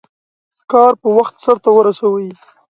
کار په وخت سرته ورسوئ.